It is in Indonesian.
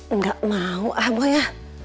enggak mau ah boy ya